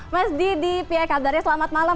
mas didi pihak kandarnya selamat malam